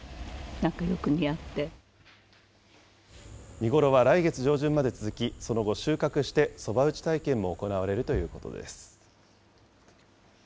見頃は来月上旬まで続き、その後、収穫してそば打ち体験も行われるということです。